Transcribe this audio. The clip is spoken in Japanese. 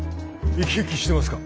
生き生きしてますか？